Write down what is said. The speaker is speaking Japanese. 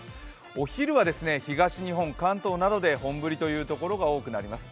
お昼は東日本、関東などで本降りのところが多くなります。